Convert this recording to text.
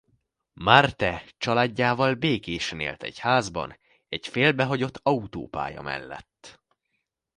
Marthe családjával békésen él egy házban egy félbehagyott autópálya mellett.